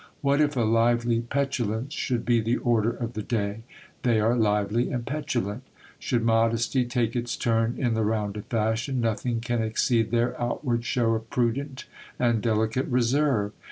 What if a lively petulance should be the order of the day ? they are lively and petulant Should modesty take its turn in the rouid of fashion, nothing can exceed their outward show of prudent and deli cate reserve.